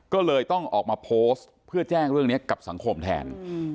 ก็เลยต้องออกมาโพสต์เพื่อแจ้งเรื่องนี้กับสังคมแทน